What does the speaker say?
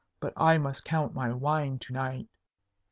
"But I must count my wine to night."